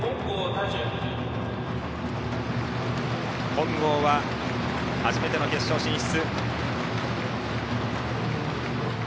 本郷は初めての決勝進出。